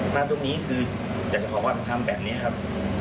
จากตรงนี้คือจะพอกว่ามันทำแบบนี้ครับ